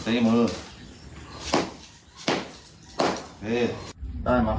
เอามือเอาใส่มือ